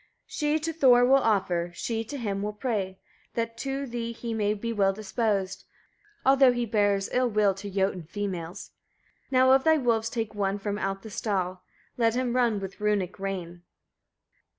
4. She to Thor will offer, she to him will pray, that to thee he may be well disposed; although he bears ill will to Jotun females. 5. Now of thy wolves take one from out the stall; let him run with runic rein.